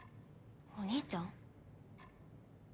お義兄ちゃん？